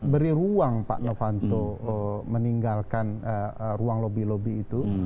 beri ruang pak novanto meninggalkan ruang lobby lobby itu